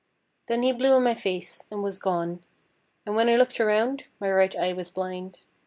_" Then he blew in my face, and was gone. And when I looked around, my right eye was blind.